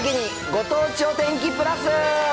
ご当地お天気プラス。